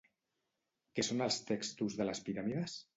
Què són els textos de les piràmides?